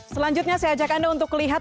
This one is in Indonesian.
selanjutnya saya ajak anda untuk lihat